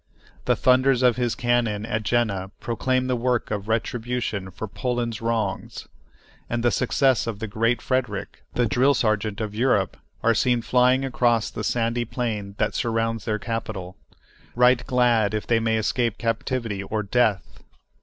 The thunders of his cannon at Jena proclaim the work of retribution for Poland's wrongs; and the success of the Great Frederick, the drill sergeant of Europe, are seen flying across the sandy plain that surrounds their capital, right glad if they may escape captivity or death.